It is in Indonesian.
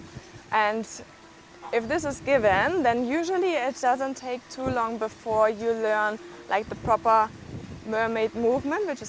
dan jika ini diberikan biasanya tidak akan membutuhkan lama sebelum kamu belajar gerakan mermaid yang sepatutnya